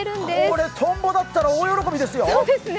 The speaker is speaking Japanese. これトンボだったら大喜びですよ。